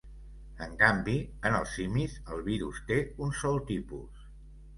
En canvi, en els simis, el virus té un sol tipus.